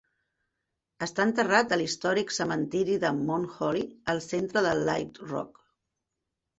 Està enterrat a l'històric cementiri de Mount Holly, al centre de Little Rock.